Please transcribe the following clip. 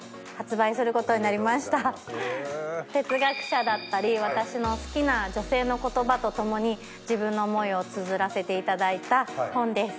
哲学者だったり私の好きな女性の言葉とともに自分の思いをつづらせていただいた本です。